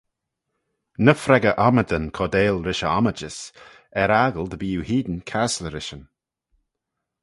Ny freggyr ommydan cordail rish e ommijys, er-aggle dy bee oo hene casley rishyn.